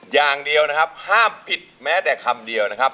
อย่างเดียวนะครับห้ามผิดแม้แต่คำเดียวนะครับ